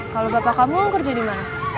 kalau bapak kamu kerja di mana